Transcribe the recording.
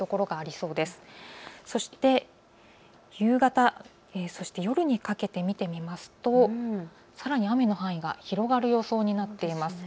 そして夕方、夜にかけて見てみますとさらに雨の範囲が広がる予想になっています。